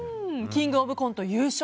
「キングオブコント」優勝。